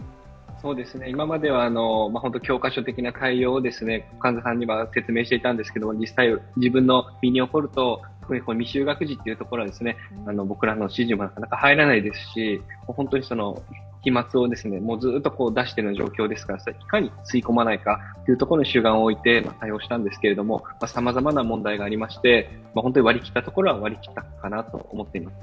今までは教科書的な対応を患者さんには説明していたんですけれども、実際、自分の身に起こると未就学児というところは僕らの指示がなかなか入らないですし、本当に飛まつをずっと出している状況ですからいかに吸い込まないかに主眼を置いて対応したんですけれども、さまざまな問題がありまして、本当に割り切ったところは割り切ったかなと思っています。